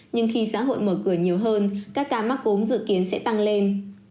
nhưng khi xã hội mở cửa nhiều hơn các ca mắc cúm dự kiến sẽ tăng lên